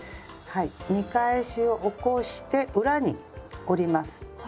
見返しを起こして裏に折ります。